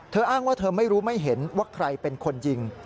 อ้างว่าเธอไม่รู้ไม่เห็นว่าใครเป็นคนยิง